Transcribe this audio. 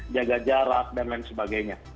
jaga jarak dan lain sebagainya